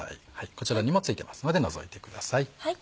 こちらにも付いてますので除いてください。